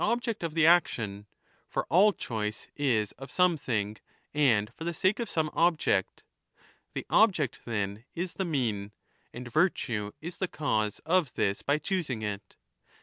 But the end is the object of the action ; for all choice is of some thing and for the sake of some object. The object, then, is the mean, and virtue is the cause of this by choosing it.